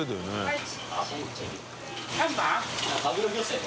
はい。